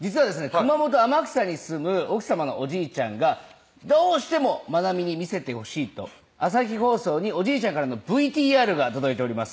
熊本・天草に住む奥さまのおじいちゃんがどうしても愛海に見せてほしいと朝日放送におじいちゃんからのＶＴＲが届いております